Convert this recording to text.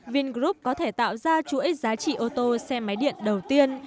vingroup có thể tạo ra chuỗi giá trị ô tô xe máy điện đầu tiên